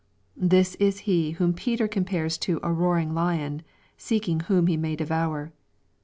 This is he whom Peter compares to a " roaring lion, seeking whom he may devour."